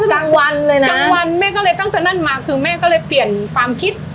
กลางวันเลยนะกลางวันแม่ก็เลยตั้งแต่นั่นมาคือแม่ก็เลยเปลี่ยนความคิด